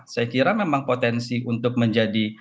saya kira memang potensi untuk menjadi